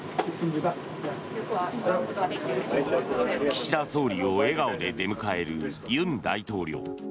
岸田総理を笑顔で出迎える尹大統領。